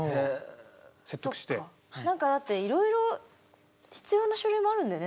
何かだっていろいろ必要な書類もあるんだよね